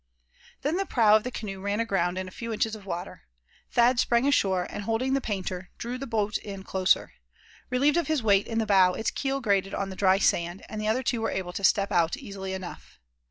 Then the prow of the canoe ran aground in a few inches of water. Thad sprang ashore, and holding the painter, drew the boat in closer. Relieved of his weight in the bow its keel grated on the dry sand, and the other two were able to step out easily enough.